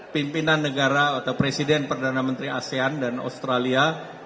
pimpinan negara atau presiden perdana menteri asean dan australia